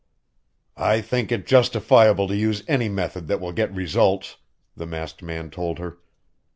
"I think it justifiable to use any method that will get results," the masked man told her.